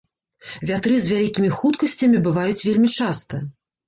Вятры з вялікімі хуткасцямі бываюць вельмі часта.